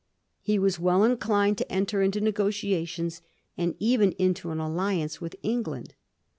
He was well inclined to enter into negotiations, and even into an alliance, with England.